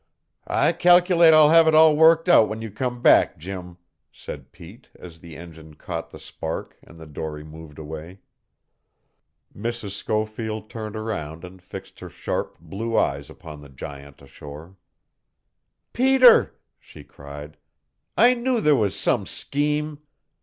"I cal'late I'll have it all worked out when you come back, Jim," said Pete as the engine caught the spark and the dory moved away. Mrs. Schofield turned around and fixed her sharp, blue eyes upon the giant ashore. "Peter!" she cried. "I knew there was some scheme.